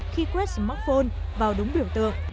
khi quét smartphone vào đúng biểu tượng